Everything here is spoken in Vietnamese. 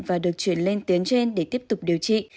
và được chuyển lên tuyến trên để tiếp tục điều trị